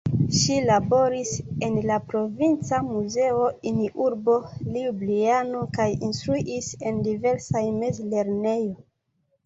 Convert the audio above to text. Ŝi laboris en la provinca muzeo in urbo Ljubljano kaj instruis en diversaj mezlernejo.